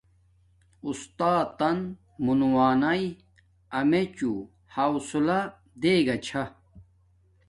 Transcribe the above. اُستاتن مونووݵ امیچوں حوصلہ دین گا چھا